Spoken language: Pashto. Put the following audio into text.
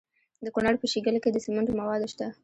د کونړ په شیګل کې د سمنټو مواد شته.